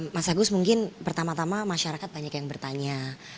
mas agus mungkin pertama tama masyarakat banyak yang bertanya